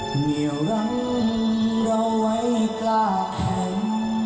เหี่ยวรังเราไว้กล้าแข็ง